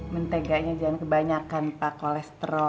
menteganya jangan kebanyakan pak kolesterol